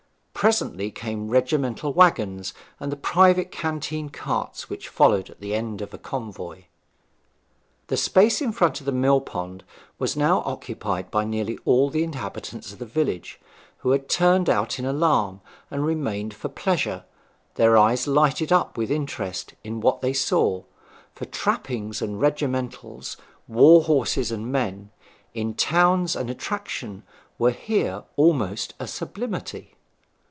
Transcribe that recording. Presently came regimental waggons, and the private canteen carts which followed at the end of a convoy. The space in front of the mill pond was now occupied by nearly all the inhabitants of the village, who had turned out in alarm, and remained for pleasure, their eyes lighted up with interest in what they saw; for trappings and regimentals, war horses and men, in towns an attraction, were here almost a sublimity.